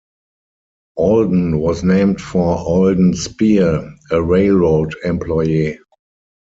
Alden was named for Alden Speare, a railroad employee.